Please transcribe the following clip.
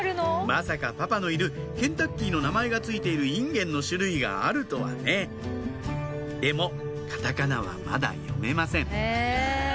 まさかパパのいるケンタッキーの名前が付いているインゲンの種類があるとはねでもカタカナはまだ読めません